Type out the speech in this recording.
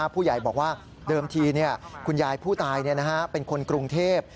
ผู้ใหญ่บอกว่าเดิมทีคุณยายผู้ตายเป็นคนกรุงเทพ